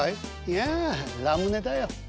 「いやラムネだよ」。